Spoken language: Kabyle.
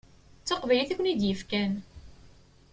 D taqbaylit i ken-id-yefkan.